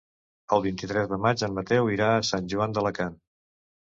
El vint-i-tres de maig en Mateu irà a Sant Joan d'Alacant.